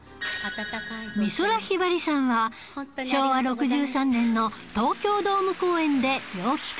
美空ひばりさんは昭和６３年の東京ドーム公演で病気から復帰